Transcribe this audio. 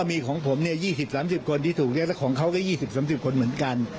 มีของผม๒๐๓๐คนที่ถูกเรียกแล้วของเขาก็๒๐๓๐คนเหมือนกัน